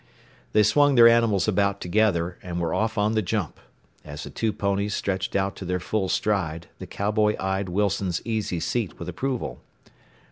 They swung their animals about together, and were off on the jump. As the two ponies stretched out to their full stride the cowboy eyed Wilson's easy seat with approval.